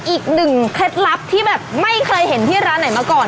เคล็ดลับที่แบบไม่เคยเห็นที่ร้านไหนมาก่อน